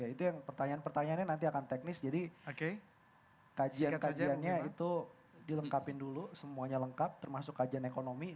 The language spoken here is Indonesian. itu yang pertanyaan pertanyaannya nanti akan teknis jadi kajian kajiannya itu dilengkapin dulu semuanya lengkap termasuk kajian ekonomi